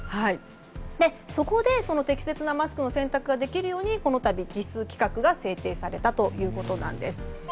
そこで、適切なマスクの選択ができるようにこのたびＪＩＳ規格が制定されたということです。